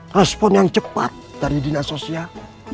respon yang cepat dari dinas sosial